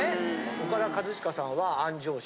オカダ・カズチカさんは安城市？